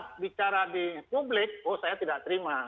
kalau saya bicara di publik saya tidak terima